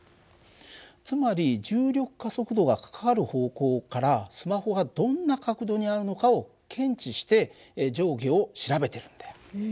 つまり重力加速度がかかる方向からスマホがどんな角度にあるのかを検知して上下を調べてるんだよ。